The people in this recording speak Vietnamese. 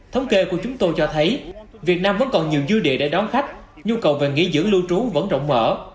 thống kê của chúng tôi cho thấy việt nam vẫn còn nhiều dư địa để đón khách nhu cầu về nghỉ dưỡng lưu trú vẫn rộng mở